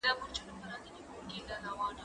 ليک د زده کوونکي له خوا لوستل کيږي؟